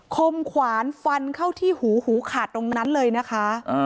คมขวานฟันเข้าที่หูหูขาดตรงนั้นเลยนะคะ